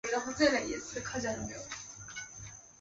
导演穿着白衬衫是默默无言的规则。